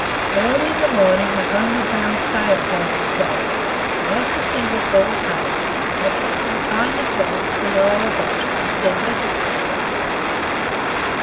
Early in the morning a homeward bound sail hove in sight, and as the sea was very calm, our captain kindly promised to lower a boat and send letters by her.